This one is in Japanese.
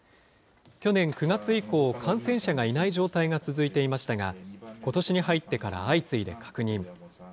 去年９月以降、感染者がいない状態が続いていましたが、ことしに入ってから相次いで確認。